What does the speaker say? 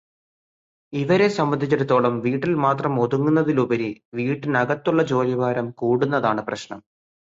ഇവരെ സംബന്ധിച്ചിടത്തോളം വീട്ടിൽ മാത്രമൊതുങ്ങുന്നതിലുപരി വീട്ടിനകത്തുള്ള ജോലിഭാരം കൂടുന്നതാണ് പ്രശ്നം.